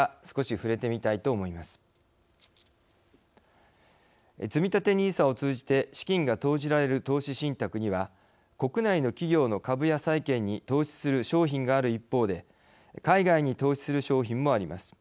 つみたてＮＩＳＡを通じて資金が投じられる投資信託には国内の企業の株や債券に投資する商品がある一方で海外に投資する商品もあります。